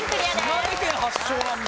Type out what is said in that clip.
島根県発祥なんだ。